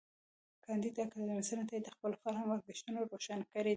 کانديد اکاډميسن عطايي د خپل فرهنګ ارزښتونه روښانه کړي دي.